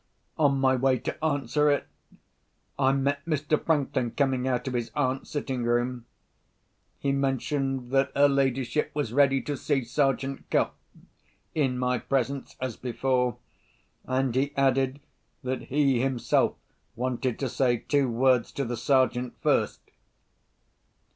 On my way to answer it, I met Mr. Franklin coming out of his aunt's sitting room. He mentioned that her ladyship was ready to see Sergeant Cuff—in my presence as before—and he added that he himself wanted to say two words to the Sergeant first.